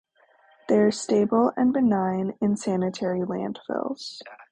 They are stable and benign in sanitary landfills.